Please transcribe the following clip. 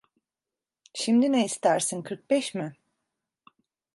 Şimdi ne istersin? Kırk beş mi?